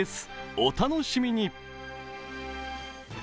お楽しみに！